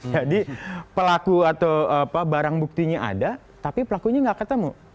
jadi pelaku atau barang buktinya ada tapi pelakunya gak ketemu